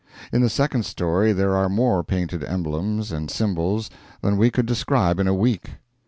In the second story there are more painted emblems and symbols than we could describe in a week.